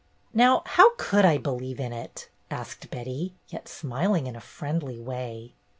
"Now, how could I believe in it?" asked Betty, yet smiling in a friendly way.